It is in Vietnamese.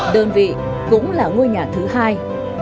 đơn vị cũng là ngôi nhà thứ hai